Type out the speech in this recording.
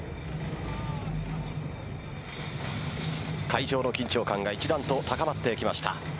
会場の緊張感が一段と高まってきました。